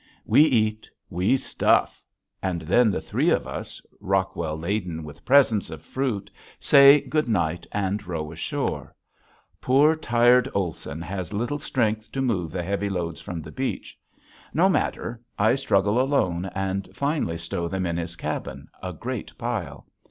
We eat, we stuff! and then the three of us, Rockwell laden with presents of fruit, say good night and row ashore. Poor, tired Olson has little strength to move the heavy loads from the beach. No matter, I struggle alone and finally stow them in his cabin, a great pile.